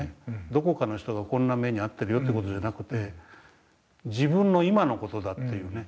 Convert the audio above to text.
どこかの人がこんな目に遭ってるよって事じゃなくて自分の今の事だっていうね